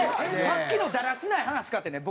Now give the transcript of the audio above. さっきのダラしない話かてね